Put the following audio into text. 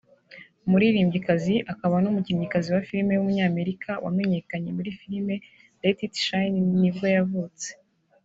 umuririmbyikazi akaba n’umukinnyikazi wa filime w’umunyamerika wamenyekanye muri filime Let it Shine nibwo yavutse